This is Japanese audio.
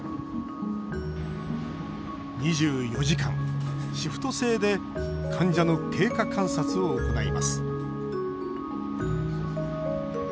２４時間、シフト制で患者の経過観察を行います。